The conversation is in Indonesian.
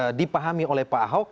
dan dipahami oleh pak dolly kurnia